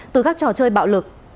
từ các trò chơi bạo lực